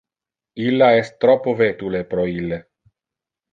Illa es troppo vetule pro ille.